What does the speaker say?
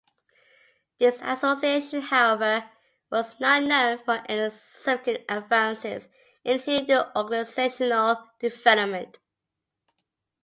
This Association, however, was not known for any significant advances in Hindu organizational development.